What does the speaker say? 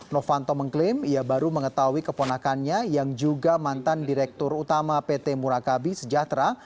novanto mengklaim ia baru mengetahui keponakannya yang juga mantan direktur utama pt murakabi sejahtera